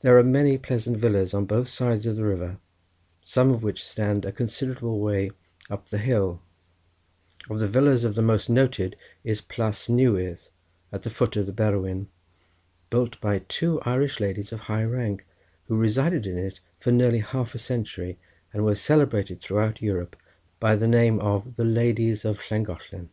There are many pleasant villas on both sides of the river, some of which stand a considerable way up the hill; of the villas the most noted is Plas Newydd at the foot of the Berwyn, built by two Irish ladies of high rank, who resided in it for nearly half a century, and were celebrated throughout Europe by the name of the Ladies of Llangollen.